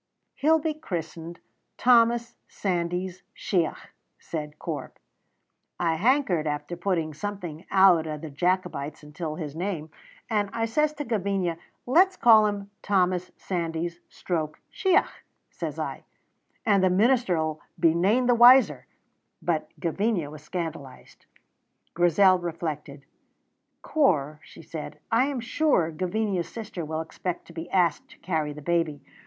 "He'll be christened Thomas Sandys Shiach," said Corp. "I hankered after putting something out o' the Jacobites intil his name; and I says to Gavinia, 'Let's call him Thomas Sandys Stroke Shiach,' says I, 'and the minister'll be nane the wiser'; but Gavinia was scandalized." Grizel reflected. "Corp," she said, "I am sure Gavinia's sister will expect to be asked to carry the baby.